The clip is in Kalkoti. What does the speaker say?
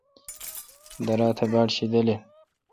درا تہ باڑ شیدل این۔